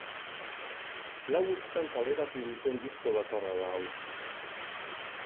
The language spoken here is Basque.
Lau urtetan kaleratu duten disko bakarra da hau.